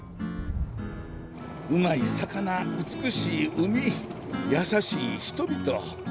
うまい魚美しい海優しい人々。